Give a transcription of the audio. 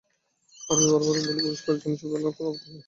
আমি বরাবরই বলি, পুরস্কারের জন্য ছবি বানান, কোনো আপত্তি নেই।